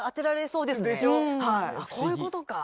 こういうことか。